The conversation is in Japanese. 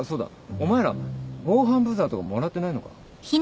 お前ら防犯ブザーとかもらってないのか？